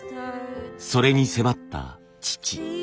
それに迫った父。